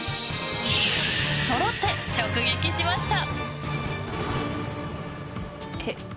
そろって直撃しました！